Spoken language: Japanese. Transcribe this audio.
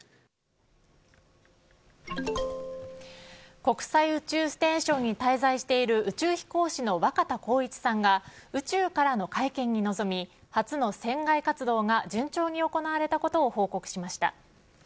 国際宇宙ステーションに滞在している宇宙飛行士の若田光一さんが宇宙からの会見に臨み初の船外活動が順調に行われたことを報告しました。